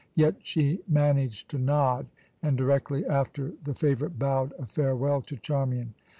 Yet she managed to nod, and directly after the favourite bowed a farewell to Charmian.